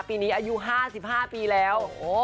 ปีนี้อายุ๕๕ปีแล้ว